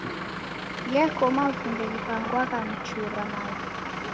Gheko mavunde ghiw'anwagha mchura mavi.